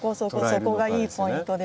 そこがいいポイントです。